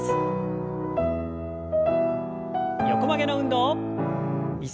横曲げの運動。